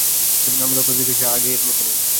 আমার দক্ষতা দেখছি আসলেই আগের মতো আর নেই।